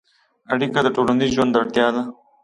اړیکه د ټولنیز ژوند اړتیا ده.